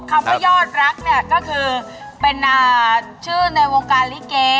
คำว่ายอดรักเนี่ยก็คือเป็นชื่อในวงการลิเก